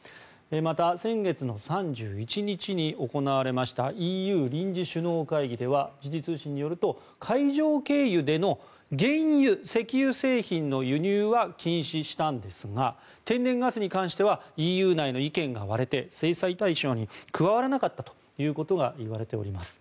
また、先月３１日に行われましたＥＵ臨時首脳会議では時事通信によると海上経由での原油・石油製品の輸入は禁止したんですが天然ガスに関してはＥＵ内の意見が割れて制裁対象に加わらなかったということが言われております。